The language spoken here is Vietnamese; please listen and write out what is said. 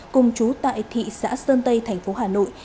cùng chú tại thị xã sơn tây thành phố hà nội